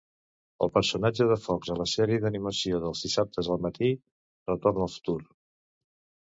El personatge de Fox a la sèrie d'animació dels dissabtes al matí "Retorn al futur".